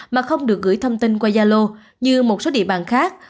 mà không được gửi thông tin qua gia lô như một số địa bàn khác